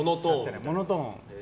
モノトーンです。